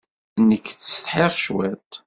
Nekk ttsetḥiɣ cwiṭ.